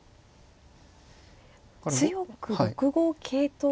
強く６五桂と。